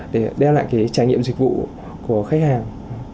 để đem lại cái trải nghiệm dịch vụ của khách hàng